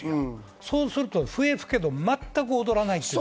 そうすると笛吹けど全く踊らない。